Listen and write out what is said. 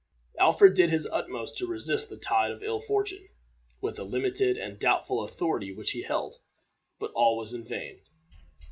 Alfred did his utmost to resist the tide of ill fortune, with the limited and doubtful authority which he held; but all was in vain.